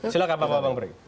silahkan pak bapak memberikan